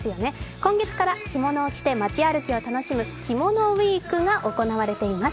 今月から着物を着て町歩きを楽しむ着物ウイークが行われています。